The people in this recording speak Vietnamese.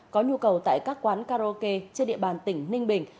có nhu cầu tại các quán karaoke trên địa bàn tỉnh ninh bình